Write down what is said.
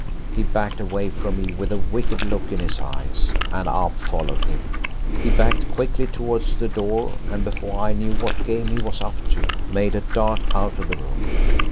He backed away from me with a wicked look in his eyes, and I followed him. He backed quickly towards the door, and before I knew what game he was up to he made a dart out of the room.